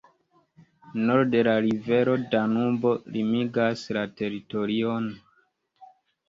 Norde la rivero Danubo limigas la teritorion.